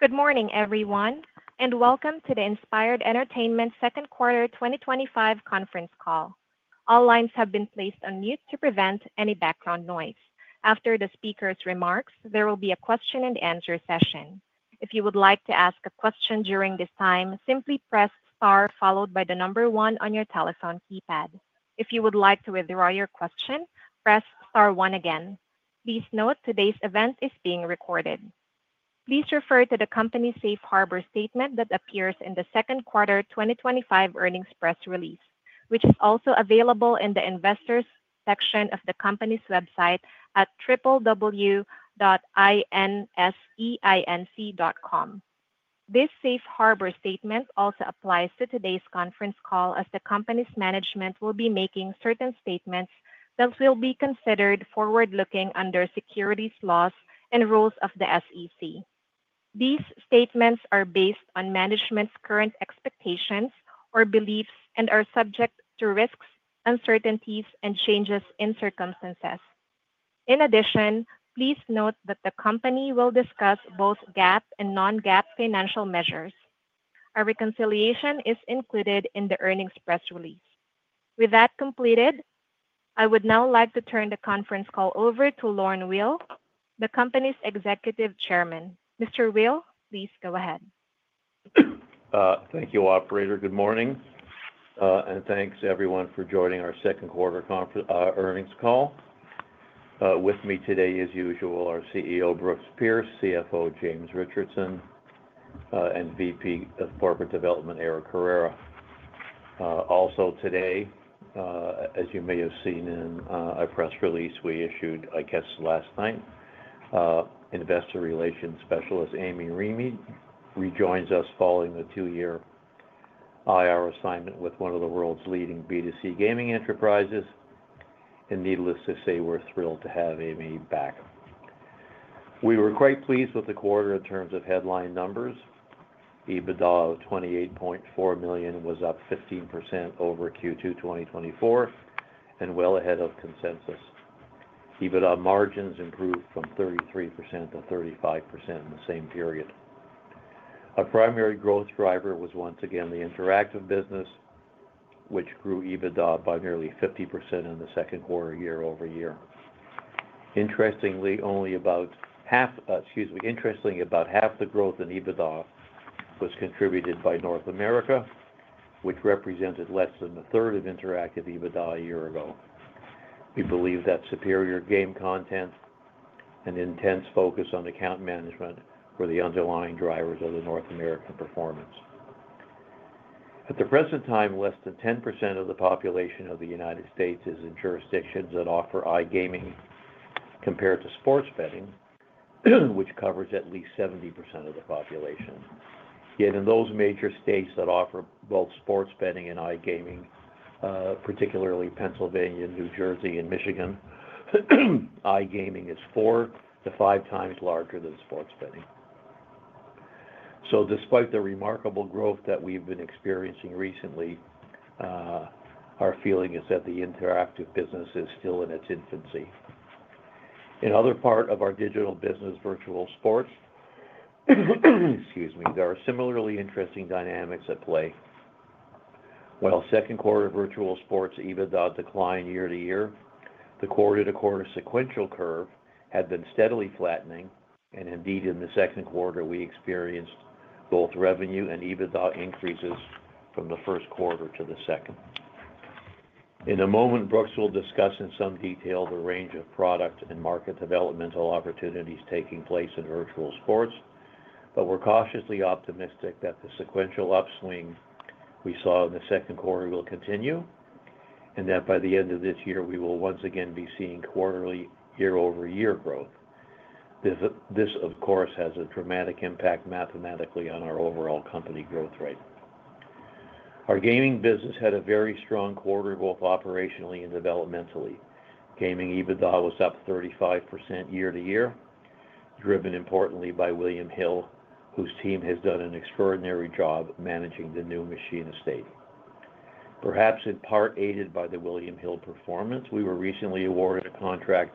Good morning, everyone, and welcome to the Inspired Entertainment Second Quarter 2025 Conference Call. All lines have been placed on mute to prevent any background noise. After the speaker's remarks, there will be a question and answer session. If you would like to ask a question during this time, simply press star followed by the number one on your telephone keypad. If you would like to withdraw your question, press star, one again. Please note today's event is being recorded. Please refer to the company's safe harbor statement that appears in the Second Quarter 2025 Earnings Press release, which is also available in the investors' section of the company's website at www.inseinc.com. This safe harbor statement also applies to today's conference call as the company's management will be making certain statements that will be considered forward-looking under securities laws and rules of the SEC. These statements are based on management's current expectations or beliefs and are subject to risks, uncertainties, and changes in circumstances. In addition, please note that the company will discuss both GAAP and non-GAAP financial measures. A reconciliation is included in the earnings press release. With that completed, I would now like to turn the conference call over to Lorne Weil, the company's Executive Chairman. Mr. Weil, please go ahead. Thank you, operator. Good morning. Thanks to everyone for joining our Second Quarter Conference Earnings Call. With me today, as usual, are CEO Brooks Pierce, CFO James Richardson, and VP of Corporate Development, Eric Carrera. Also, today, as you may have seen in our press release we issued last night, Investor Relations Specialist Aimee Remey rejoins us following a two-year IR assignment with one of the world's leading B2C gaming enterprises. Needless to say, we're thrilled to have Aimee back. We were quite pleased with the quarter in terms of headline numbers. EBITDA of $28.4 million was up 15% over Q2 2024 and well ahead of consensus. EBITDA margins improved from 33% to 35% in the same period. Our primary growth driver was once again the interactive business, which grew EBITDA by nearly 50% in the second quarter, year-over-year. Interestingly, about half the growth in EBITDA was contributed by North America, which represented less than a third of interactive EBITDA a year ago. We believe that superior game content and intense focus on account management were the underlying drivers of the North America performance. At the present time, less than 10% of the population of the U.S. is in jurisdictions that offer iGaming compared to sports betting, which covers at least 70% of the population. Yet in those major states that offer both sports betting and iGaming, particularly Pennsylvania, New Jersey, and Michigan, iGaming is 4 to 5x larger than sports betting. Despite the remarkable growth that we've been experiencing recently, our feeling is that the interactive business is still in its infancy. In other parts of our digital business, virtual sports, there are similarly interesting dynamics at play. While second quarter virtual sports EBITDA declined year-to-year, the quarter-to-quarter sequential curve had been steadily flattening, and indeed, in the second quarter, we experienced both revenue and EBITDA increases from the first quarter to the second. In a moment, Brooks will discuss in some detail the range of product and market developmental opportunities taking place in virtual sports. We're cautiously optimistic that the sequential upswing we saw in the second quarter will continue and that by the end of this year, we will once again be seeing quarterly, year-over-year growth. This, of course, has a dramatic impact mathematically on our overall company growth rate. Our gaming business had a very strong quarter, both operationally and developmentally. Gaming EBITDA was up 35% year-to-year, driven importantly by William Hill, whose team has done an extraordinary job managing the new machine estate. Perhaps in part aided by the William Hill performance, we were recently awarded a contract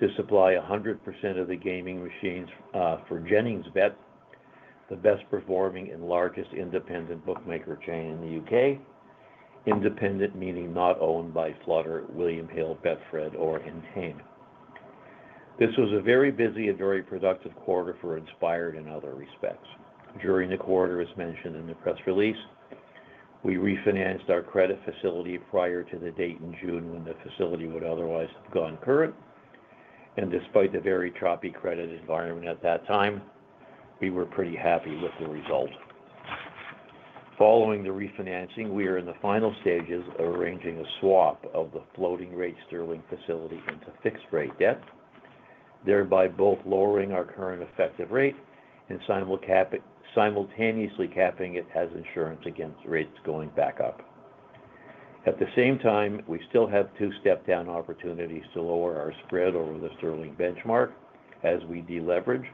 to supply 100% of the gaming machines for Jennings Bet, the best-performing and largest independent bookmaker chain in the UK. Independent meaning not owned by Flutter, William Hill, BetFred, or Entain. This was a very busy and very productive quarter for Inspired in other respects. During the quarter, as mentioned in the press release, we refinanced our credit facility prior to the date in June when the facility would otherwise have gone current. Despite the very choppy credit environment at that time, we were pretty happy with the result. Following the refinancing, we are in the final stages of arranging a swap of the floating rate sterling facility into fixed rate debt, thereby both lowering our current effective rate and simultaneously capping it as insurance against rates going back up. At the same time, we still have two step-down opportunities to lower our spread over the sterling benchmark as we deleverage,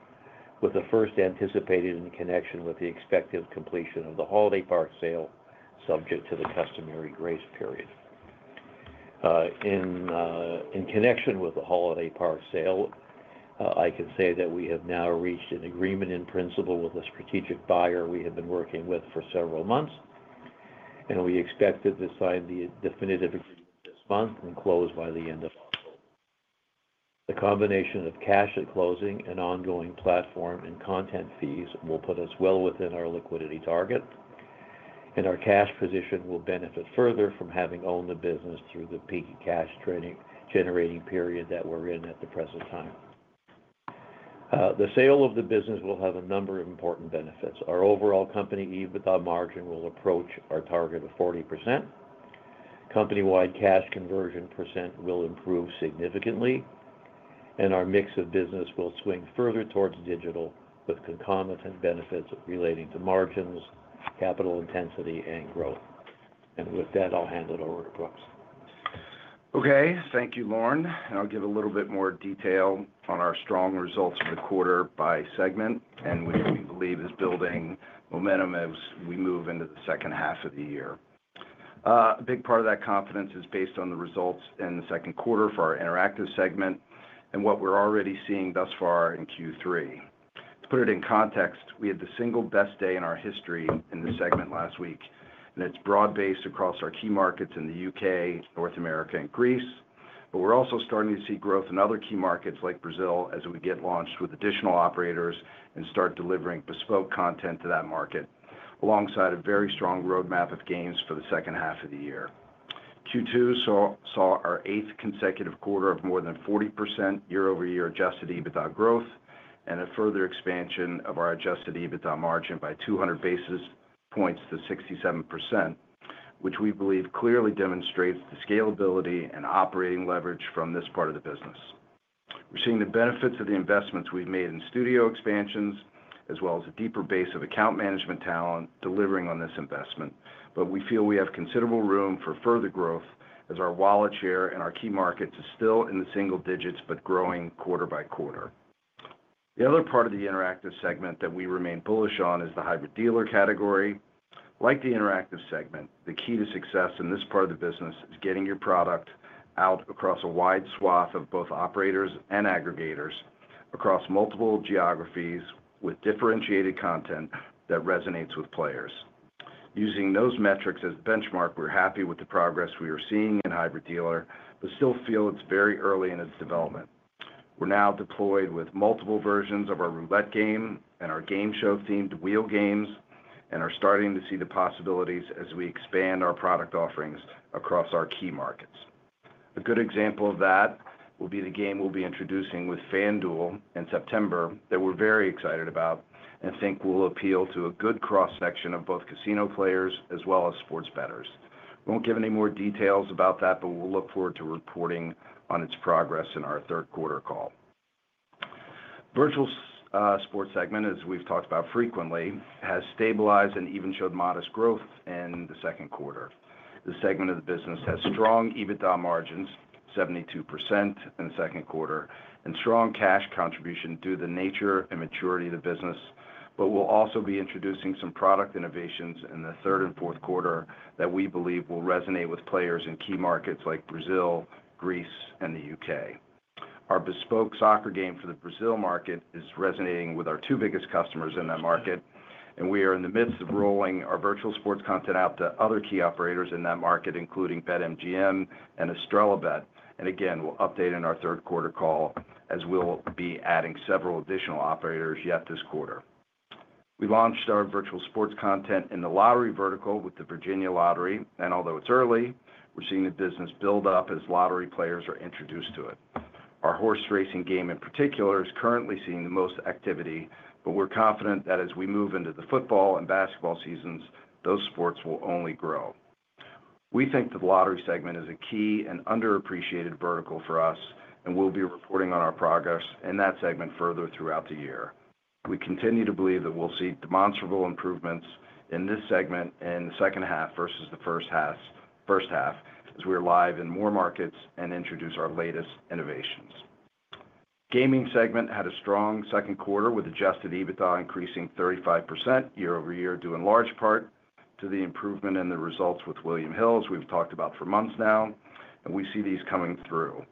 with the first anticipated in connection with the expected completion of the holiday park sale subject to the customary grace period. In connection with the holiday park sale, I can say that we have now reached an agreement in principle with a strategic buyer we have been working with for several months, and we expect to sign the definitive agreement this month and close by the end of month. The combination of cash at closing and ongoing platform and content fees will put us well within our liquidity target, and our cash position will benefit further from having owned the business through the peak cash generating period that we're in at the present time. The sale of the business will have a number of important benefits. Our overall company EBITDA margin will approach our target of 40%. Company-wide cash conversion % will improve significantly, and our mix of business will swing further towards digital with concomitant benefits relating to margins, capital intensity, and growth. With that, I'll hand it over to Brooks. Okay. Thank you, Lorne. I'll give a little bit more detail on our strong results for the quarter by segment and what we believe is building momentum as we move into the second half of the year. A big part of that confidence is based on the results in the second quarter for our interactive segment and what we're already seeing thus far in Q3. To put it in context, we had the single best day in our history in this segment last week, and it's broad-based across our key markets in the UK, North America, and Greece. We're also starting to see growth in other key markets like Brazil as we get launched with additional operators and start delivering bespoke content to that market alongside a very strong roadmap of games for the second half of the year. Q2 saw our eighth consecutive quarter of more than 40% year-over-year adjusted EBITDA growth and a further expansion of our adjusted EBITDA margin by 200 basis points to 67%, which we believe clearly demonstrates the scalability and operating leverage from this part of the business. We're seeing the benefits of the investments we've made in studio expansions, as well as a deeper base of account management talent delivering on this investment. We feel we have considerable room for further growth as our wallet share and our key markets are still in the single digits but growing quarter-by-quarter. The other part of the interactive segment that we remain bullish on is the hybrid dealer category. Like the interactive segment, the key to success in this part of the business is getting your product out across a wide swath of both operators and aggregators across multiple geographies with differentiated content that resonates with players. Using those metrics as benchmark, we're happy with the progress we are seeing in hybrid dealer, but still feel it's very early in its development. We're now deployed with multiple versions of our roulette game and our game show themed wheel games and are starting to see the possibilities as we expand our product offerings across our key markets. A good example of that will be the game we'll be introducing with FanDuel in September that we're very excited about and think will appeal to a good cross-section of both casino players as well as sports bettors. We won't give any more details about that, but we'll look forward to reporting on its progress in our third quarter call. Virtual sports segment, as we've talked about frequently, has stabilized and even showed modest growth in the second quarter. The segment of the business has strong EBITDA margins, 72% in the second quarter, and strong cash contribution due to the nature and maturity of the business. We will also be introducing some product innovations in the third and fourth quarter that we believe will resonate with players in key markets like Brazil, Greece, and the UK. Our bespoke soccer game for the Brazil market is resonating with our two biggest customers in that market, and we are in the midst of rolling our virtual sports content out to other key operators in that market, including BetMGM and EstrelaBet. We will update in our third quarter call as we will be adding several additional operators yet this quarter. We launched our virtual sports content in the lottery vertical with the Virginia Lottery, and although it's early, we're seeing the business build up as lottery players are introduced to it. Our horse racing game in particular is currently seeing the most activity, but we're confident that as we move into the football and basketball seasons, those sports will only grow. We think that the lottery segment is a key and underappreciated vertical for us, and we'll be reporting on our progress in that segment further throughout the year. We continue to believe that we'll see demonstrable improvements in this segment in the second half versus the first half as we're live in more markets and introduce our latest innovations. The gaming segment had a strong second quarter with adjusted EBITDA increasing 35% year-over-year, due in large part to the improvement in the results with William Hill we've talked about for months now, and we see these coming through.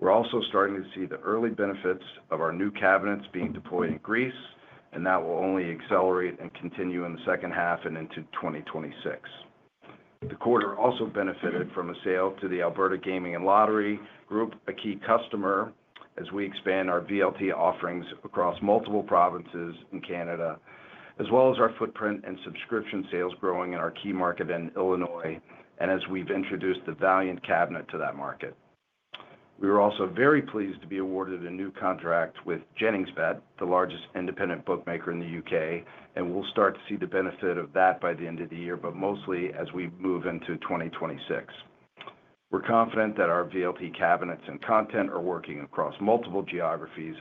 We're also starting to see the early benefits of our new cabinets being deployed in Greece, and that will only accelerate and continue in the second half and into 2026. The quarter also benefited from a sale to the Alberta Gaming and Lottery Group, a key customer, as we expand our VLT offerings across multiple provinces in Canada, as well as our footprint and subscription sales growing in our key market in Illinois, and as we've introduced the Valiant cabinet to that market. We were also very pleased to be awarded a new contract with Jennings Bet, the largest independent bookmaker in the UK, and we'll start to see the benefit of that by the end of the year, but mostly as we move into 2026. We're confident that our VLT cabinets and content are working across multiple geographies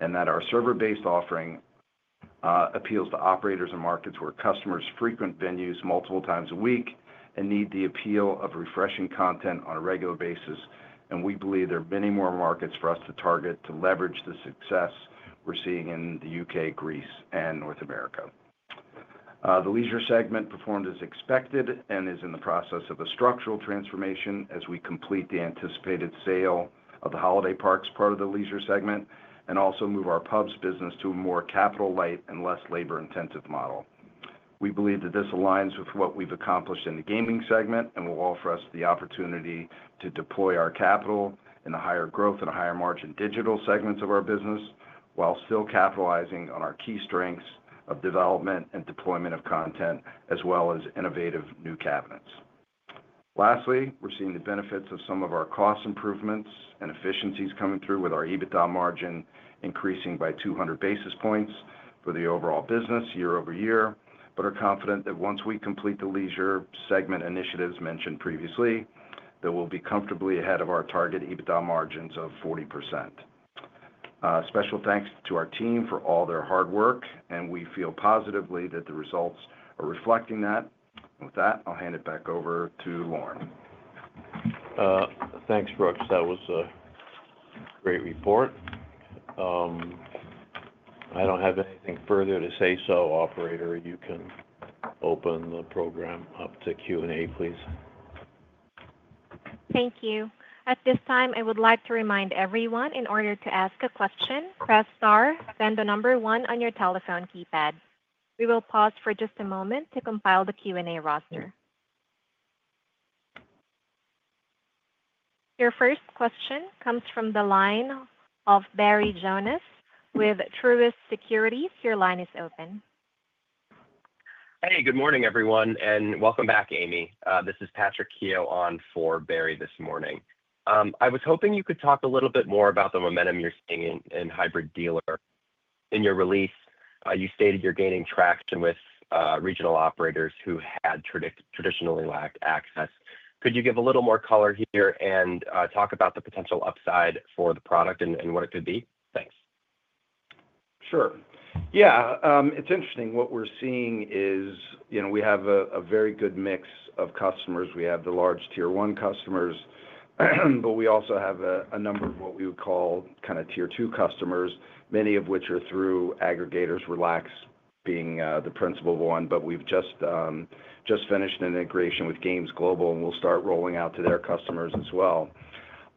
and that our server-based offering appeals to operators in markets where customers frequent venues multiple times a week and need the appeal of refreshing content on a regular basis. We believe there are many more markets for us to target to leverage the success we're seeing in the UK, Greece, and North America. The leisure segment performed as expected and is in the process of a structural transformation as we complete the anticipated sale of the holiday parks part of the leisure segment and also move our pubs business to a more capital-light and less labor-intensive model. We believe that this aligns with what we've accomplished in the gaming segment and will offer us the opportunity to deploy our capital in the higher growth and higher margin digital segments of our business while still capitalizing on our key strengths of development and deployment of content, as well as innovative new cabinets. Lastly, we're seeing the benefits of some of our cost improvements and efficiencies coming through with our EBITDA margin increasing by 200 basis points for the overall business year-over-year. We are confident that once we complete the leisure segment initiatives mentioned previously, we'll be comfortably ahead of our target EBITDA margins of 40%. Special thanks to our team for all their hard work, and we feel positively that the results are reflecting that. With that, I'll hand it back over to Lorne. Thanks, Brooks. That was a great report. I don't have anything further to say, so operator, you can open the program up to Q&A, please. Thank you. At this time, I would like to remind everyone, in order to ask a question, press * then the number 1 on your telephone keypad. We will pause for just a moment to compile the Q&A roster. Your first question comes from the line of Barry Jonas with Truist Securities. Your line is open. Hey, good morning, everyone, and welcome back, Aimee. This is Patrick Keough on for Barry this morning. I was hoping you could talk a little bit more about the momentum you're seeing in hybrid dealer. In your release, you stated you're gaining traction with regional operators who had traditionally lacked access. Could you give a little more color here and talk about the potential upside for the product and what it could be? Thanks. Sure. Yeah, it's interesting. What we're seeing is, you know, we have a very good mix of customers. We have the large tier one customers, but we also have a number of what we would call kind of tier two customers, many of which are through aggregators, Relax being the principal one. We have just finished an integration with Games Global, and we'll start rolling out to their customers as well.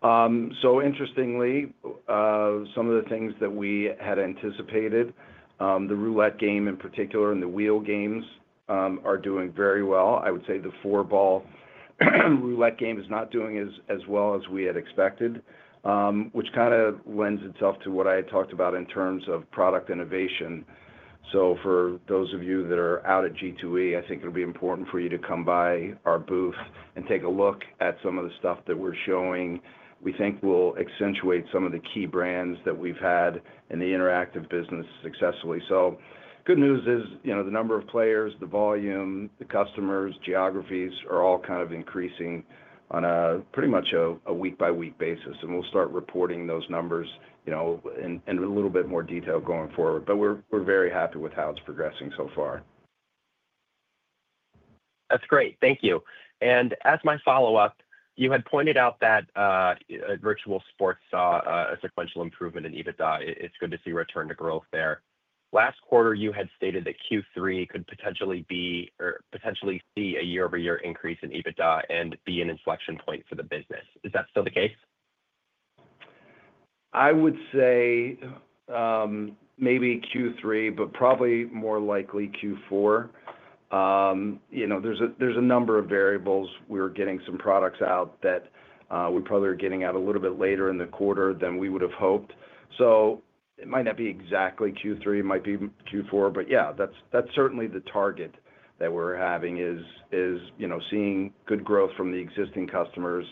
Interestingly, some of the things that we had anticipated, the roulette game in particular and the wheel games, are doing very well. I would say the four-ball roulette game is not doing as well as we had expected, which kind of lends itself to what I had talked about in terms of product innovation. For those of you that are out at G2E, I think it'll be important for you to come by our booth and take a look at some of the stuff that we're showing. We think we'll accentuate some of the key brands that we've had in the interactive business successfully. Good news is, you know, the number of players, the volume, the customers, geographies are all kind of increasing on a pretty much a week-by-week basis. We'll start reporting those numbers in a little bit more detail going forward. We're very happy with how it's progressing so far. That's great. Thank you. As my follow-up, you had pointed out that virtual sports saw a sequential improvement in EBITDA. It's good to see return to growth there. Last quarter, you had stated that Q3 could potentially be a year-over-year increase in EBITDA and be an inflection point for the business. Is that still the case? I would say maybe Q3, but probably more likely Q4. There are a number of variables. We were getting some products out that we probably are getting out a little bit later in the quarter than we would have hoped. It might not be exactly Q3, it might be Q4, but yeah, that's certainly the target that we're having is seeing good growth from the existing customers,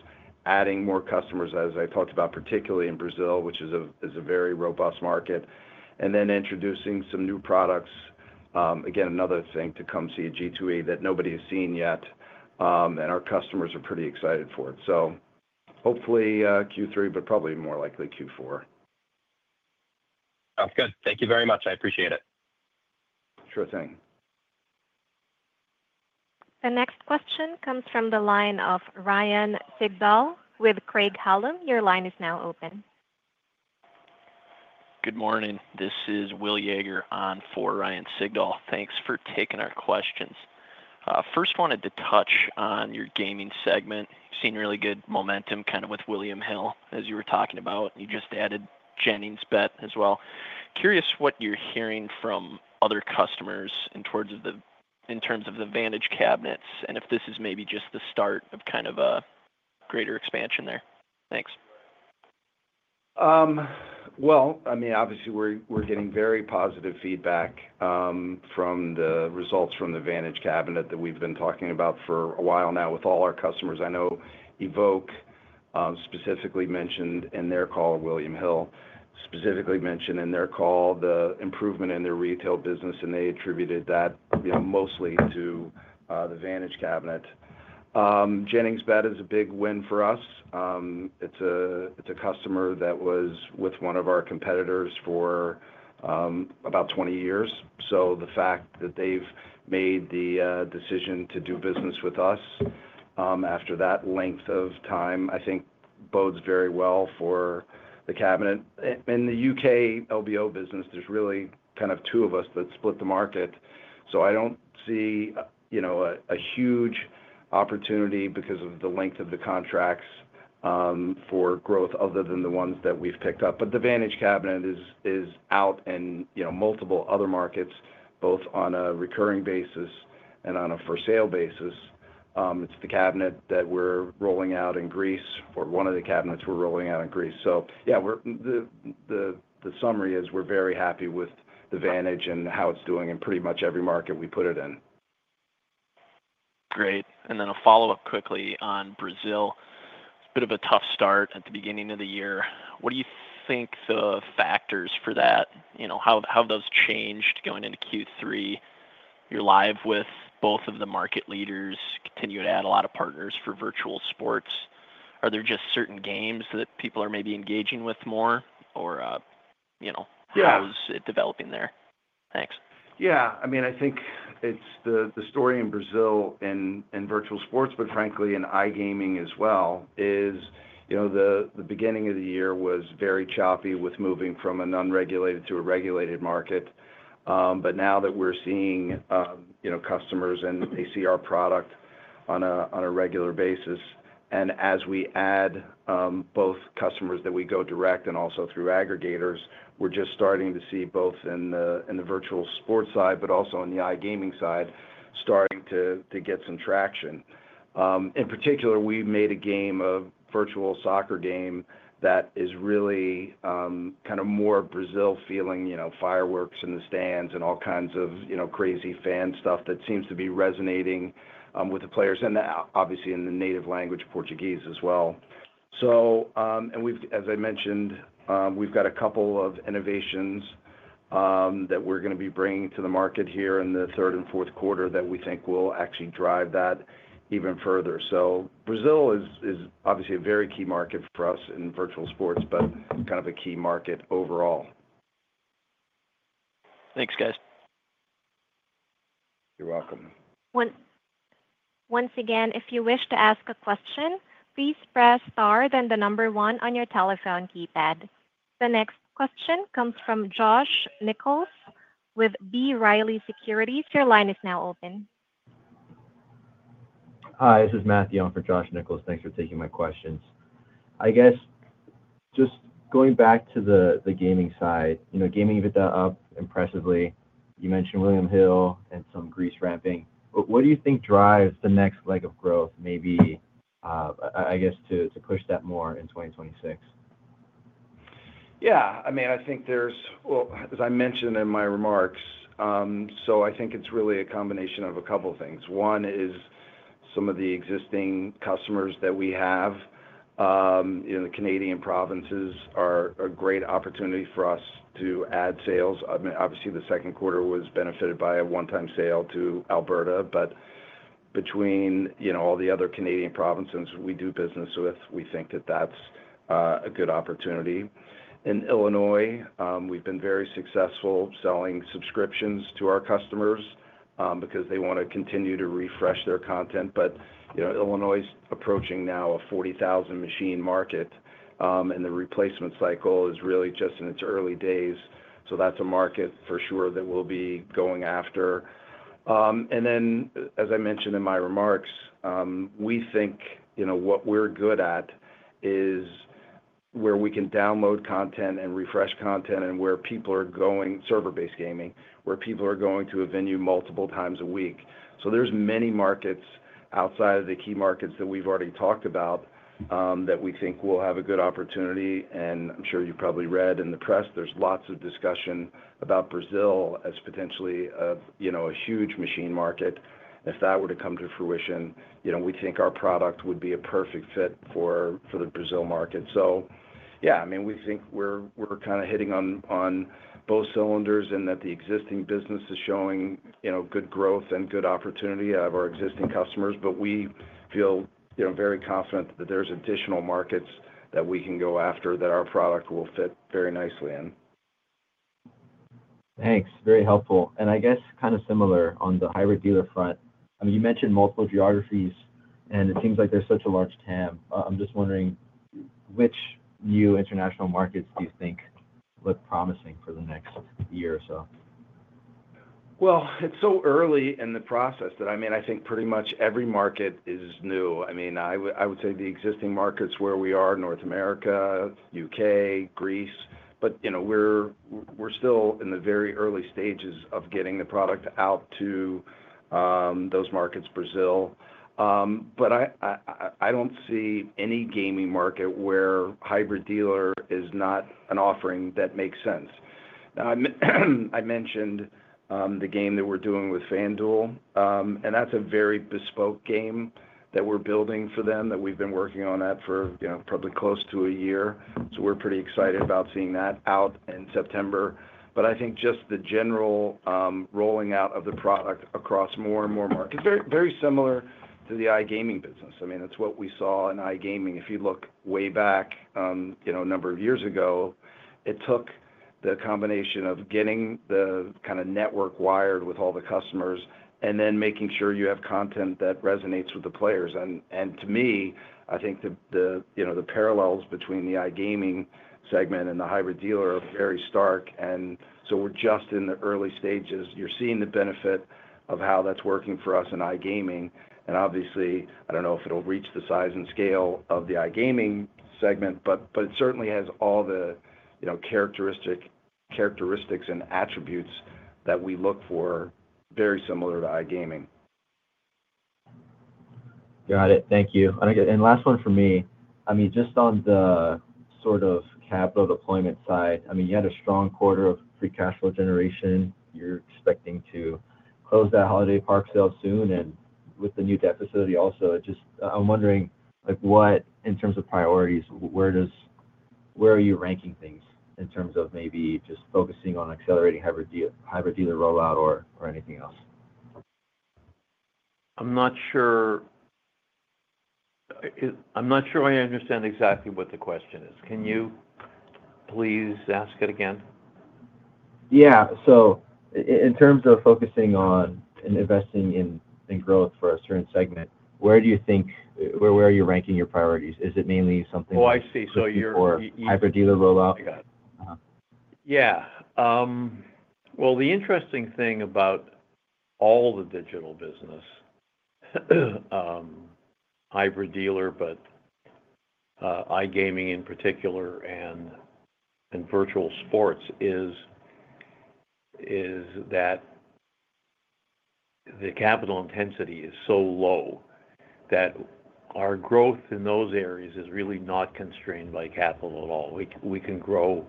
adding more customers, as I talked about, particularly in Brazil, which is a very robust market, and then introducing some new products. Again, another thing to come see at G2E that nobody has seen yet, and our customers are pretty excited for it. Hopefully Q3, but probably more likely Q4. Sounds good. Thank you very much. I appreciate it. Sure thing. The next question comes from the line of Ryan Sigdall with Craig-Hallum. Your line is now open. Good morning. This is Will Yager on for Ryan Sigdall. Thanks for taking our questions. First, I wanted to touch on your gaming segment. You've seen really good momentum with William Hill, as you were talking about, and you just added Jennings Bet as well. Curious what you're hearing from other customers in terms of the Vantage cabinets and if this is maybe just the start of a greater expansion there. Thanks. Obviously, we're getting very positive feedback from the results from the Vantage cabinet that we've been talking about for a while now with all our customers. I know Evoque specifically mentioned in their call, William Hill specifically mentioned in their call the improvement in their retail business, and they attributed that mostly to the Vantage cabinet. Jennings Bet is a big win for us. It's a customer that was with one of our competitors for about 20 years. The fact that they've made the decision to do business with us after that length of time, I think, bodes very well for the cabinet. In the UK LBO business, there's really kind of two of us that split the market. I don't see a huge opportunity because of the length of the contracts for growth other than the ones that we've picked up. The Vantage cabinet is out in multiple other markets, both on a recurring basis and on a for-sale basis. It's the cabinet that we're rolling out in Greece, or one of the cabinets we're rolling out in Greece. The summary is we're very happy with the Vantage and how it's doing in pretty much every market we put it in. Great. A follow-up quickly on Brazil. Bit of a tough start at the beginning of the year. What do you think the factors for that are, you know, how have those changed going into Q3? You're live with both of the market leaders and continue to add a lot of partners for virtual sports. Are there just certain games that people are maybe engaging with more or, you know, how is it developing there? Thanks. Yeah, I mean, I think it's the story in Brazil and virtual sports, but frankly, in iGaming as well, is, you know, the beginning of the year was very choppy with moving from an unregulated to a regulated market. Now that we're seeing customers and they see our product on a regular basis, and as we add both customers that we go direct and also through aggregators, we're just starting to see both in the virtual sports side, but also on the iGaming side, starting to get some traction. In particular, we made a game, a virtual soccer game that is really kind of more Brazil feeling, you know, fireworks in the stands and all kinds of, you know, crazy fan stuff that seems to be resonating with the players and obviously in the native language, Portuguese, as well. As I mentioned, we've got a couple of innovations that we're going to be bringing to the market here in the third and fourth quarter that we think will actually drive that even further. Brazil is obviously a very key market for us in virtual sports, but kind of a key market overall. Thanks, guys. You're welcome. Once again, if you wish to ask a question, please press star then the number one on your telephone keypad. The next question comes from Josh Nichols with B. Riley Securities. Your line is now open. Hi, this is Matthew on for Josh Nichols. Thanks for taking my questions. I guess just going back to the gaming side, you know, gaming EBITDA up impressively. You mentioned William Hill and some Greece ramping. What do you think drives the next leg of growth, maybe, I guess, to push that more in 2026? Yeah, I mean, I think there's, as I mentioned in my remarks, I think it's really a combination of a couple of things. One is some of the existing customers that we have. You know, the Canadian provinces are a great opportunity for us to add sales. I mean, obviously, the second quarter was benefited by a one-time sale to Alberta, but between all the other Canadian provinces we do business with, we think that that's a good opportunity. In Illinois, we've been very successful selling subscriptions to our customers because they want to continue to refresh their content. Illinois is approaching now a 40,000 machine market, and the replacement cycle is really just in its early days. That's a market for sure that we'll be going after. As I mentioned in my remarks, we think what we're good at is where we can download content and refresh content and where people are going, server-based gaming, where people are going to a venue multiple times a week. There are many markets outside of the key markets that we've already talked about that we think will have a good opportunity. I'm sure you've probably read in the press, there's lots of discussion about Brazil as potentially a huge machine market. If that were to come to fruition, we think our product would be a perfect fit for the Brazil market. Yeah, I mean, we think we're kind of hitting on both cylinders and that the existing business is showing good growth and good opportunity out of our existing customers. We feel very confident that there's additional markets that we can go after that our product will fit very nicely in. Thanks. Very helpful. I guess kind of similar on the hybrid dealer front, you mentioned multiple geographies, and it seems like there's such a large TAM. I'm just wondering, which new international markets do you think look promising for the next year or so? It's so early in the process that, I mean, I think pretty much every market is new. I would say the existing markets where we are, North America, UK, Greece, but we're still in the very early stages of getting the product out to those markets, Brazil. I don't see any gaming market where hybrid dealer is not an offering that makes sense. I mentioned the game that we're doing with FanDuel, and that's a very bespoke game that we're building for them that we've been working on for probably close to a year. We're pretty excited about seeing that out in September. I think just the general rolling out of the product across more and more markets is very similar to the iGaming business. It's what we saw in iGaming. If you look way back, a number of years ago, it took the combination of getting the kind of network wired with all the customers and then making sure you have content that resonates with the players. To me, I think the parallels between the iGaming segment and the hybrid dealer are very stark. We're just in the early stages. You're seeing the benefit of how that's working for us in iGaming. Obviously, I don't know if it'll reach the size and scale of the iGaming segment, but it certainly has all the characteristics and attributes that we look for, very similar to iGaming. Got it. Thank you. Last one for me. I mean, just on the sort of capital deployment side, you had a strong quarter of free cash flow generation. You're expecting to close that holiday park sale soon. With the new debt facility also, I'm wondering, like what in terms of priorities, where are you ranking things in terms of maybe just focusing on accelerating hybrid dealer rollout or anything else? I'm not sure I understand exactly what the question is. Can you please ask it again? In terms of focusing on investing in growth for a certain segment, where do you think, where are you ranking your priorities? Is it mainly something? Oh, I see. Your hybrid dealer rollout? Yeah. The interesting thing about all the digital business, hybrid dealer, but iGaming in particular and virtual sports is that the capital intensity is so low that our growth in those areas is really not constrained by capital at all. We can grow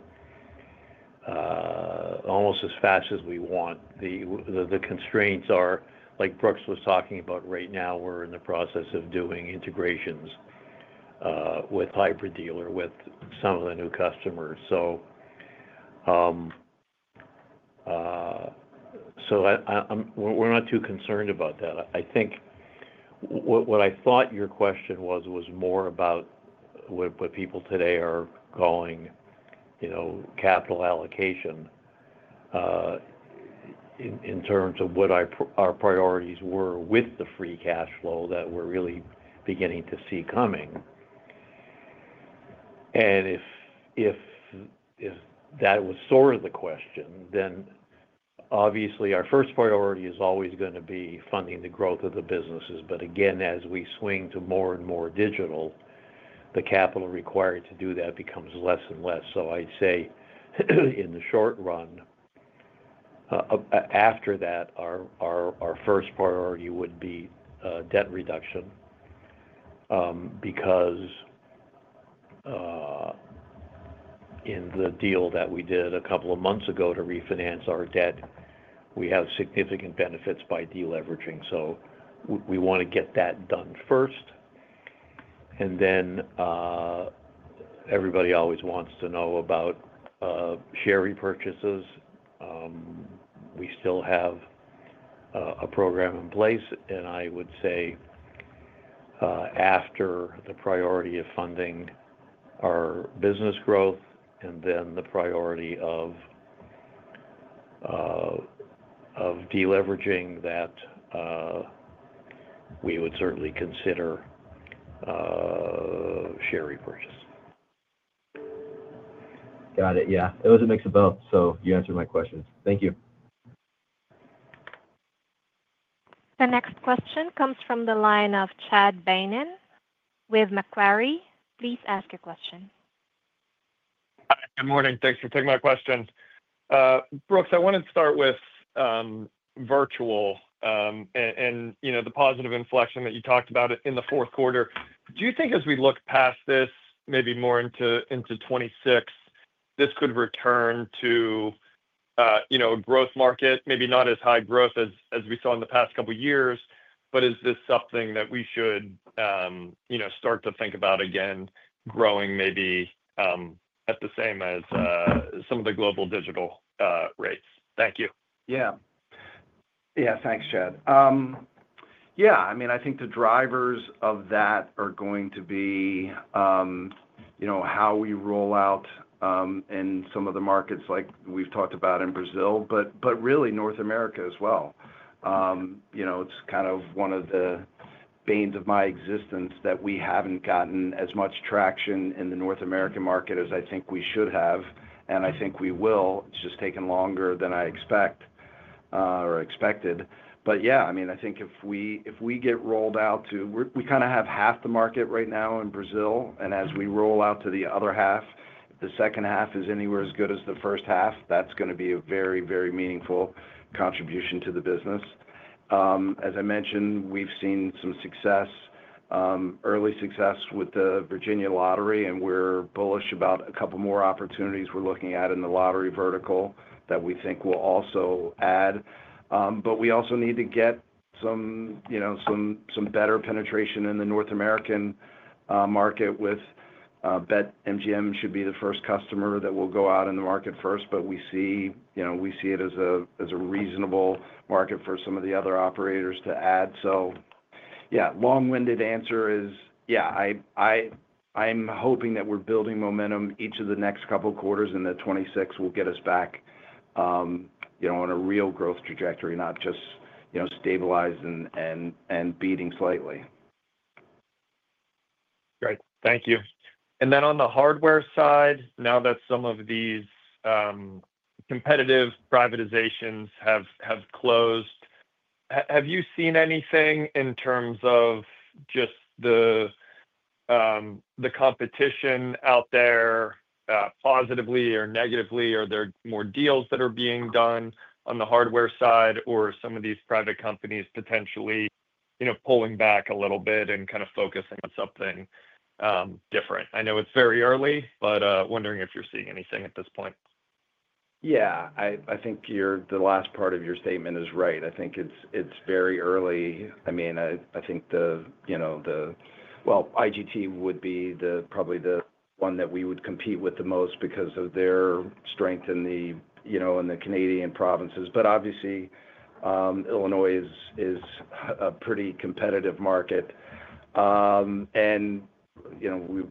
almost as fast as we want. The constraints are, like Brooks was talking about, right now we're in the process of doing integrations with hybrid dealer with some of the new customers. We're not too concerned about that. I think what I thought your question was was more about where people today are going, you know, capital allocation in terms of what our priorities were with the free cash flow that we're really beginning to see coming. If that was sort of the question, then obviously our first priority is always going to be funding the growth of the businesses. Again, as we swing to more and more digital, the capital required to do that becomes less and less. I'd say in the short run, after that, our first priority would be debt reduction because in the deal that we did a couple of months ago to refinance our debt, we have significant benefits by deleveraging. We want to get that done first. Everybody always wants to know about share repurchases. We still have a program in place. I would say after the priority of funding our business growth and then the priority of deleveraging that, we would certainly consider share repurchase. Got it. Yeah, it was a mix of both. You answered my questions. Thank you. The next question comes from the line of Chad Beynon with Macquarie. Please ask your question. Good morning. Thanks for taking my question. Brooks, I wanted to start with virtual and the positive inflection that you talked about in the fourth quarter. Do you think as we look past this, maybe more into 2026, this could return to a growth market, maybe not as high growth as we saw in the past couple of years, but is this something that we should start to think about again, growing maybe at the same as some of the global digital rates? Thank you. Yeah, thanks, Chad. I think the drivers of that are going to be how we roll out in some of the markets like we've talked about in Brazil, but really North America as well. It's kind of one of the veins of my existence that we haven't gotten as much traction in the North American market as I think we should have. I think we will. It's just taken longer than I expect or expected. I think if we get rolled out to, we kind of have half the market right now in Brazil. As we roll out to the other half, if the second half is anywhere as good as the first half, that's going to be a very, very meaningful contribution to the business. As I mentioned, we've seen some success, early success with the Virginia Lottery, and we're bullish about a couple more opportunities we're looking at in the lottery vertical that we think will also add. We also need to get some better penetration in the North American market with BetMGM should be the first customer that will go out in the market first, but we see it as a reasonable market for some of the other operators to add. Long-winded answer is, yeah, I'm hoping that we're building momentum each of the next couple of quarters in the 2026 will get us back on a real growth trajectory, not just stabilized and beating slightly. Great. Thank you. On the hardware side, now that some of these competitive privatizations have closed, have you seen anything in terms of just the competition out there, positively or negatively? Are there more deals that are being done on the hardware side, or are some of these private companies potentially pulling back a little bit and kind of focusing on something different? I know it's very early, but wondering if you're seeing anything at this point. Yeah, I think the last part of your statement is right. I think it's very early. I mean, I think the, you know, IGT would be probably the one that we would compete with the most because of their strength in the Canadian provinces. Obviously, Illinois is a pretty competitive market.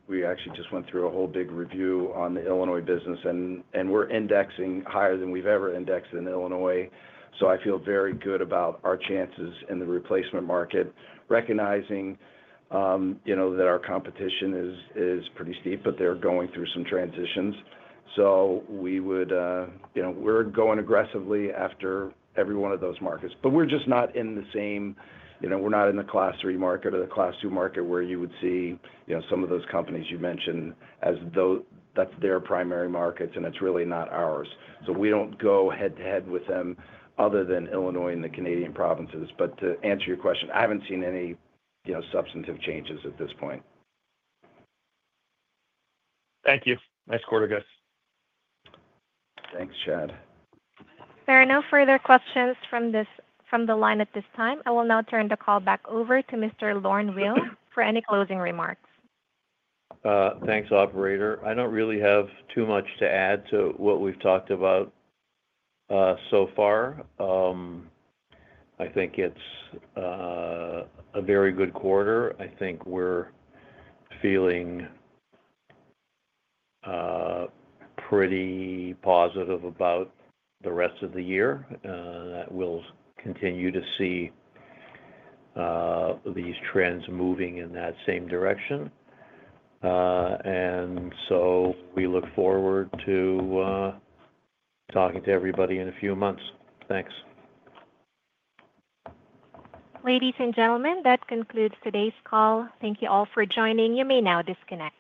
We actually just went through a whole big review on the Illinois business, and we're indexing higher than we've ever indexed in Illinois. I feel very good about our chances in the replacement market, recognizing that our competition is pretty steep, but they're going through some transitions. We are going aggressively after every one of those markets. We're just not in the same class three market or the class two market where you would see some of those companies you mentioned, as though that's their primary markets, and it's really not ours. We don't go head-to-head with them other than Illinois and the Canadian provinces. To answer your question, I haven't seen any substantive changes at this point. Thank you. Nice quarter, guys. Thanks, Chad. There are no further questions from the line at this time. I will now turn the call back over to Mr. Lorne Weil for any closing remarks. Thanks, operator. I don't really have too much to add to what we've talked about so far. I think it's a very good quarter. I think we're feeling pretty positive about the rest of the year. We will continue to see these trends moving in that same direction. We look forward to talking to everybody in a few months. Thanks. Ladies and gentlemen, that concludes today's call. Thank you all for joining. You may now disconnect.